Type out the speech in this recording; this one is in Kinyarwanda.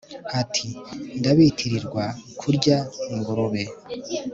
Ati Ndabitirirwa kurya ingurube